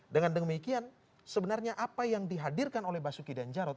dengan demikian sebenarnya apa yang dihadirkan oleh basuki dan jarod